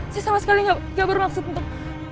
saya sama sekali nggak bermaksud untuk